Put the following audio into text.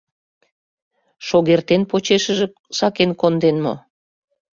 Шогертен почешыже сакен конден мо?